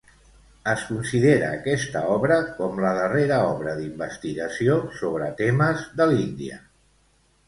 Es considera aquesta obra com la darrera obra d'investigació sobre temes de l'Índia.